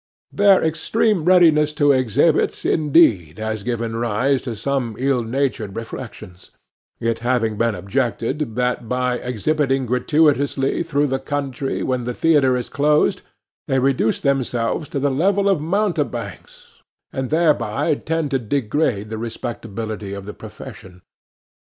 Their extreme readiness to exhibit, indeed, has given rise to some ill natured reflections; it having been objected that by exhibiting gratuitously through the country when the theatre is closed, they reduce themselves to the level of mountebanks, and thereby tend to degrade the respectability of the profession.